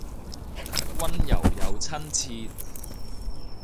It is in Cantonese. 溫柔又親切